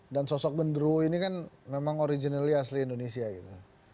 dan sosok genruo ini kan memang originally asli indonesia gitu